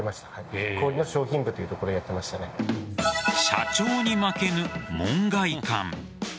社長に負けぬ門外漢。